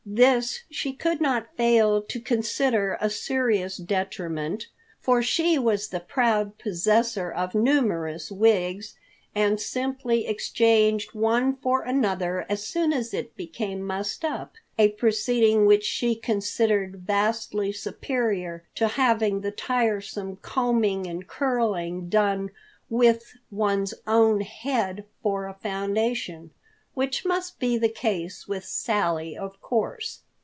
This she could not fail to consider a serious detriment, for she was the proud possessor of numerous wigs, and simply exchanged one for another as soon as it became mussed up, a proceeding which she considered vastly superior to having the tiresome combing and curling done with one's own head for a foundation, which must be the case with Sally, of course.